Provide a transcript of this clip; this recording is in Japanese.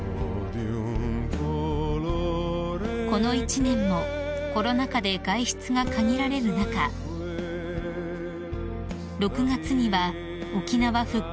［この一年もコロナ禍で外出が限られる中６月には沖縄復帰